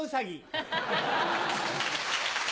ハハハハ。